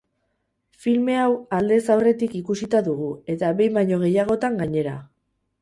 Filme hau aldez aurretik ikusita dugu eta behin baino gehiagotan gainera.